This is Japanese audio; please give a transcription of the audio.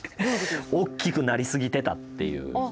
大きくなりすぎてたっていう。